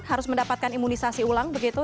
harus mendapatkan imunisasi ulang begitu